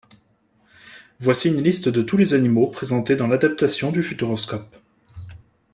Voici une liste de tous les animaux présentés dans l'adaptation du Futuroscope.